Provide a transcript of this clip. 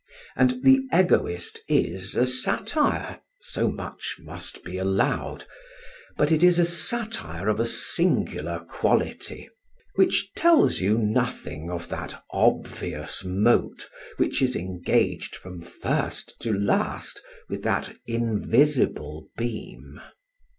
And The Egoist is a satire; so much must be allowed; but it is a satire of a singular quality, which tells you nothing of that obvious mote, which is engaged from first to last with that invisible beam.